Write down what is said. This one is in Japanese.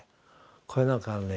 これなんかはね